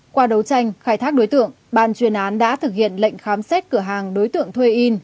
qua đấu tranh khai thác đối tượng ban chuyên án đã thực hiện lệnh khám xét cửa hàng đối tượng thuê in